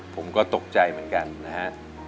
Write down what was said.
ผมก็ตกใจเหมือนกันนะฮะ